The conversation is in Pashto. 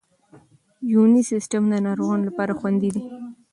یوني سیسټم د ناروغانو لپاره خوندي دی.